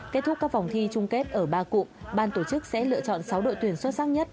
kết thúc các phòng thi trung kết ở ba cụ ban tổ chức sẽ lựa chọn sáu đội tuyển xuất sắc nhất